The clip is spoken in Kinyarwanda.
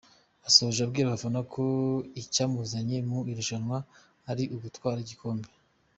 Asoje abwira abafana ko icyamuzanye mu irushanwa ari ugutwara igikombe.